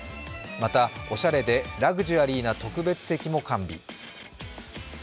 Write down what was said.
また、おしゃれでラグジュアリーな特別席も完備。